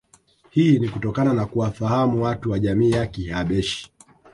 Hii ni kutokana na kuwafahamu watu wa jamii ya Kihabeshi